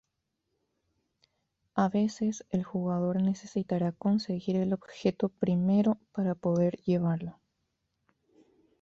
A veces el jugador necesitará conseguir el objeto primero para poder llevarlo.